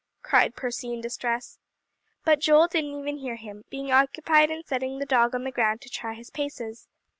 cried Percy in distress. But Joel didn't even hear him, being occupied in setting the dog on the ground to try his paces.